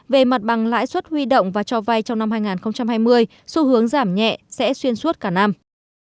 về mặt bằng lãi suất huy động và cho vay trong năm hai nghìn hai mươi xu hướng giảm nhẹ sẽ xuyên suốt cả năm